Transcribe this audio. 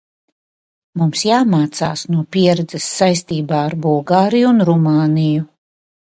Mums jāmācās no pieredzes saistībā ar Bulgāriju un Rumāniju.